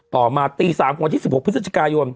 ต่อมา๓๑๖๒๑พย